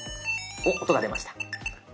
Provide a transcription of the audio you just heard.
おっ音が出ました。